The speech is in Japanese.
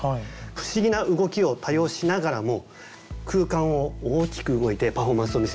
不思議な動きを多用しながらも空間を大きく動いてパフォーマンスを見せていった。